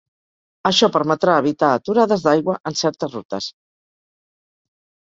Això permetrà evitar aturades d'aigua en certes rutes.